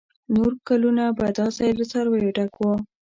نور کلونه به دا ځای له څارویو ډک و.